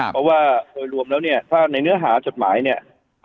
เพราะว่าโดยรวมแล้วเนี่ยถ้าในเนื้อหาจดหมายเนี่ย